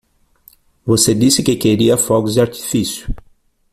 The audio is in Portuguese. Você disse que queria fogos de artifício.